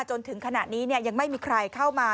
จนถึงขณะนี้ยังไม่มีใครเข้ามา